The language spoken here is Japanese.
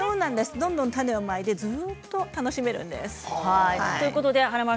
どんどん種をまいてずっと食べられるんです。